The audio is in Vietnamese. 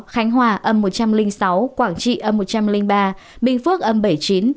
khánh hòa một trăm linh sáu quảng trị một trăm linh ba bình phước bảy mươi chín